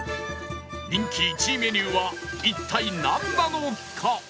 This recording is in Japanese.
人気１位メニューは一体なんなのか？